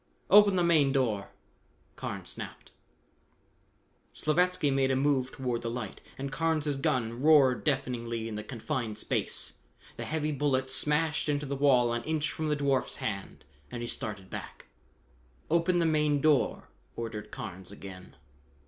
"Open the main door!" Carnes snapped. Slavatsky made a move toward the light, and Carnes' gun roared deafeningly in the confined space. The heavy bullet smashed into the wall an inch from the dwarf's hand and he started back. "Open the main door!" ordered Carnes again.